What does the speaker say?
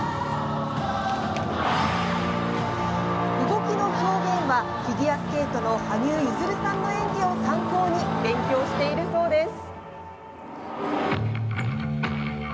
動きの表現はフィギュアスケートの羽生結弦さんの演技を参考に勉強しているそうです。